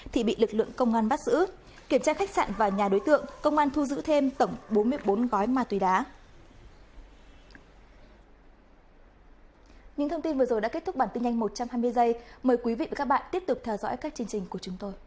thì bị lực lượng công an bắt giữ kiểm tra khách sạn và nhà đối tượng công an thu giữ thêm tổng bốn mươi bốn gói ma túy đá